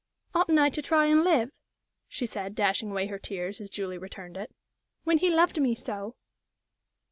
"Oughtn't I to try and live," she said, dashing away her tears, as Julie returned it, "when he loved me so?"